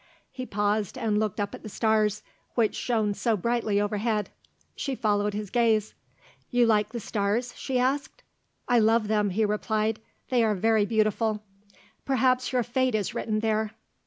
He paused, and looked up at the stars, which shone so brightly overhead. She followed his gaze. "You like the stars?" she asked. "I love them," he replied; "they are very beautiful." "Perhaps your fate is written there."